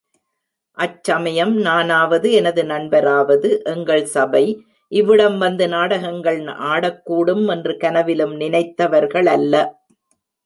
அச்சமயம் நானாவது எனது நண்பராவது, எங்கள் சபை இவ்விடம் வந்து நாடகங்கள் ஆடக் கூடும் என்று கனவிலும் நினைத்தவர்களல்ல.